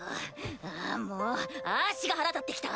ああもうあしが腹立ってきた。